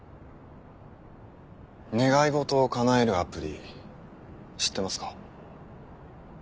願い事を叶えるアプリ知ってますか？